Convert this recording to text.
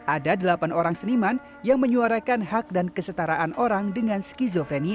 ada delapan orang seniman yang menyuarakan hak dan kesetaraan orang dengan skizofrenia